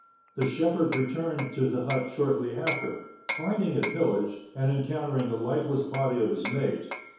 The shepherd returned to the hut shortly after, finding it pillaged, and encountering the lifeless body of his mate.